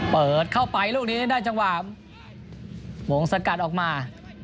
เปิดเข้าไปลูกนี้ได้จังหวะวงสกัดออกมา